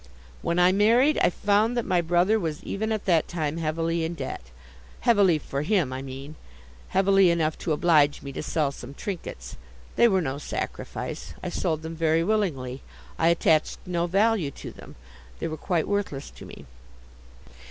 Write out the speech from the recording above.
'When I married, I found that my brother was even at that time heavily in debt. Heavily for him, I mean. Heavily enough to oblige me to sell some trinkets. They were no sacrifice. I sold them very willingly. I attached no value to them. They, were quite worthless to me.